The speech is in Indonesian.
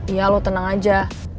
iya lo tenang aja